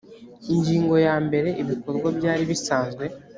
ingingo ya mbere ibikorwa byari bisanzwe